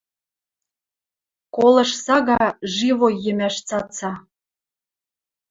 Колыш сага живой йӹмӓш цаца